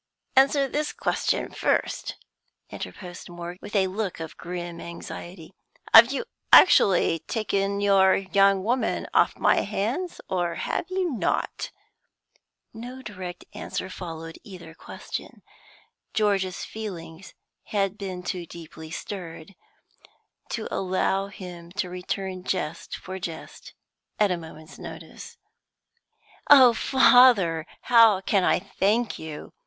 "Answer this question first," interposed Morgan, with a look of grim anxiety. "Have you actually taken your young woman off my hands, or have you not?" No direct answer followed either question. George's feelings had been too deeply stirred to allow him to return jest for jest at a moment's notice. "Oh, father, how can I thank you!"